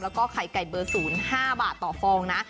แล้วก็ไข่ไก่เบอร์๐๕บาทต่อฟองนะ